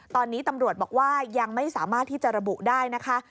ตอนนี้ตำรวจบอกว่ายังไม่สามารถที่จะระบุได้นะคะ